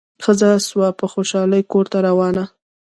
ښځه سوه په خوشالي کورته روانه